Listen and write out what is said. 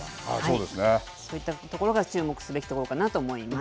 そういったところが注目すべきところかなと思います。